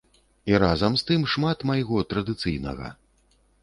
І, разам з тым, шмат майго традыцыйнага.